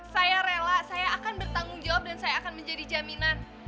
saya rela saya akan bertanggung jawab dan saya akan menjadi jaminan